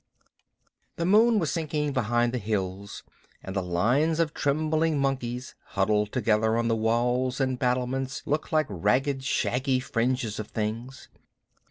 The moon was sinking behind the hills and the lines of trembling monkeys huddled together on the walls and battlements looked like ragged shaky fringes of things.